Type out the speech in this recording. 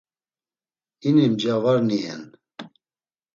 İni mja var niyen.